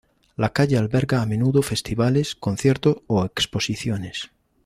La calle alberga a menudo festivales, conciertos o exposiciones.